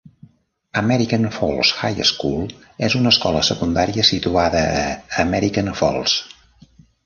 American Falls High School és una escola secundària situada a American Falls.